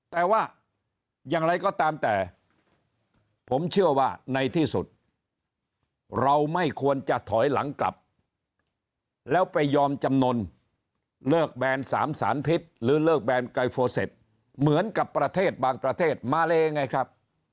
แต่ว่าอย่างไรก็ตามแต่ผมเชื่อว่าในที่สุดเราไม่ควรจะถอยหลังกลับแล้วไปยอมจำนวนเลิกแบน๓สารพิษหรือเลิกแบนไกรโฟเซ็ตเหมือนกับประเทศบางประเทศมาเลไงครับ